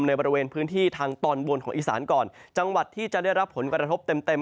บริเวณพื้นที่ทางตอนบนของอีสานก่อนจังหวัดที่จะได้รับผลกระทบเต็มเต็ม